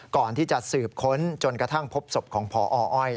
ก่อนที่จะสืบค้นจนกระทั่งพบศพของพออ้อย